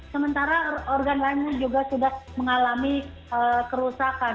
sementara organ lainnya juga sudah mengalami kerusakan